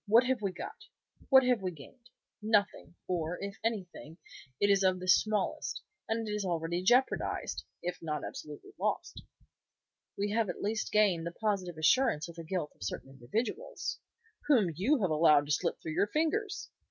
What have we got? What have we gained? Nothing, or, if anything, it is of the smallest, and it is already jeopardized, if not absolutely lost." "We have at least gained the positive assurance of the guilt of certain individuals." "Whom you have allowed to slip through your fingers."